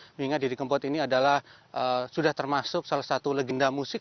mengingat didi kempot ini adalah sudah termasuk salah satu legenda musik